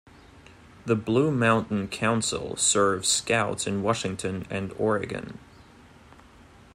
The Blue Mountain Council serves Scouts in Washington and Oregon.